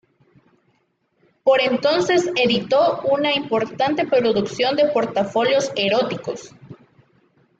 Por entonces editó una importante producción de portafolios eróticos.